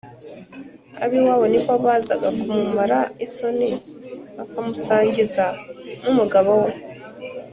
Ab’iwabo ni bo bazaga kumumara isoni, bakamusangiza n’umugabo we.